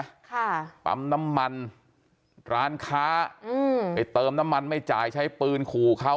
ค่ะปั๊มน้ำมันร้านค้าอืมไปเติมน้ำมันไม่จ่ายใช้ปืนขู่เขา